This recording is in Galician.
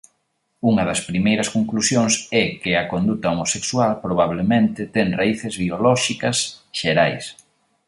Unha das primeiras conclusións é que a conduta homosexual probablemente ten raíces biolóxicas xerais.